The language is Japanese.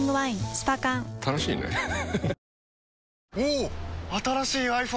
スパ缶楽しいねハハハ